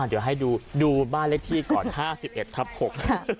อ่าเดี๋ยวให้ดูบ้านเล็กที่ก่อน๕๑ครับผม